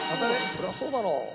そりゃそうだろう。